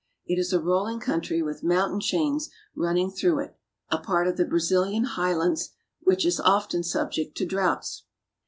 It is a rolling country with mountain chains run ning through it, a part of the Brazilian highlands which is often subject to droughts.